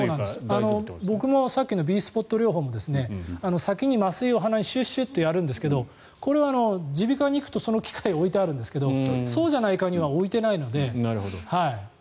僕もさっきのＢスポット療法も先に麻酔を鼻にシュッシュとやるんですがこれは耳鼻科に行くとその機械が置いてあるんですがそうじゃない科には置いていないので。